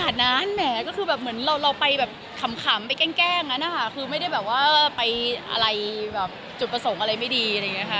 ขนาดนั้นแหมก็คือแบบเหมือนเราไปแบบขำไปแกล้งนั้นนะคะคือไม่ได้แบบว่าไปอะไรแบบจุดประสงค์อะไรไม่ดีอะไรอย่างนี้ค่ะ